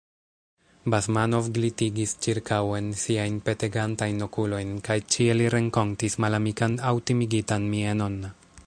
Basmanov glitigis ĉirkaŭen siajn petegantajn okulojn kaj ĉie li renkontis malamikan aŭ timigitan mienon.